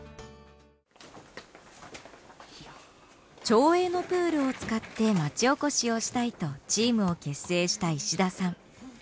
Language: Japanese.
町営のプールを使ってまちおこしをしたいとチームを結成した石田さん。